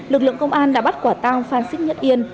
lực lượng công an đã bắt quả tang phan xích nhất yên